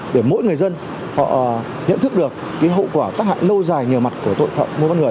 để mỗi người dân họ nhận thức được hậu quả các hạng lâu dài nhờ mặt của tội phạm